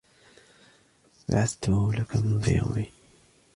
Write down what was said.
بعثتُه لك منذ يومين.